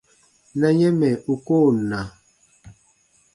Na yɛ̃ mɛ̀ u koo na.